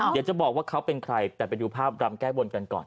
เดี๋ยวจะบอกว่าเขาเป็นใครแต่ไปดูภาพรำแก้บนกันก่อน